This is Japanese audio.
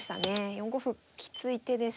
４五歩きつい手です。